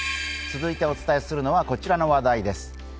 続いてお伝えするのはこちらの話題です。